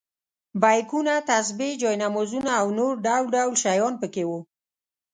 بیکونه، تسبیح، جاینمازونه او نور ډول ډول شیان په کې وو.